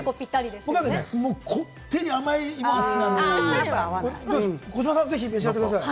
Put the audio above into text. こってり甘いのが好きなので、児嶋さん、ぜひ召し上がってください。